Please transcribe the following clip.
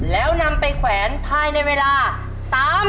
แล้วนำไปแขวนภายในเวลา๓นาที